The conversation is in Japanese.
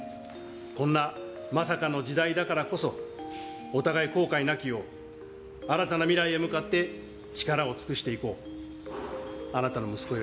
こんなまさかの時代だからこそ、お互い後悔なきよう、新たな未来へ向かって、力を尽くしていこう。